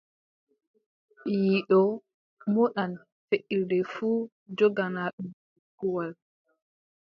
Biiɗo moɗan feʼirde fuu, jogana ɗum uskuwal.